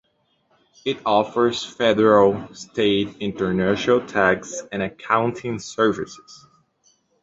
It offers federal, state, international tax and accounting services.